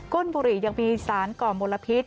้นบุหรี่ยังมีสารก่อมลพิษ